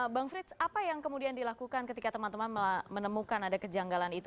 bang frits apa yang kemudian dilakukan ketika teman teman menemukan ada kejanggalan itu